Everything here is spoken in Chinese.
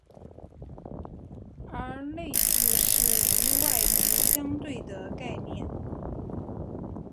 而内字是与外字相对的概念。